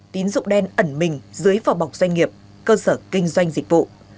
tín dụng đen ẩn mình dưới phò bọc doanh nghiệp cơ sở kinh doanh dịch vụ